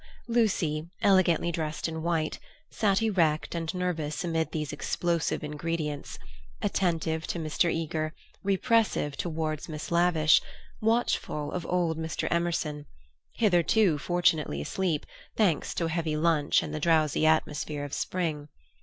Lucy, elegantly dressed in white, sat erect and nervous amid these explosive ingredients, attentive to Mr. Eager, repressive towards Miss Lavish, watchful of old Mr. Emerson, hitherto fortunately asleep, thanks to a heavy lunch and the drowsy atmosphere of Spring.